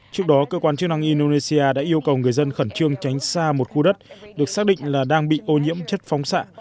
trước đó cơ quan chức năng indonesia đã yêu cầu người dân khẩn trương tránh xa một khu đất được xác định là đang bị ô nhiễm chất phóng xạ